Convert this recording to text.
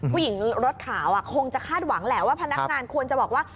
ผู้หญิงรถขาวคงจะคาดหวังแหละว่าพนักงานควรจะบอกว่า